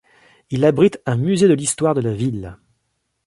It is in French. Il abrite un musée de l'histoire de la ville.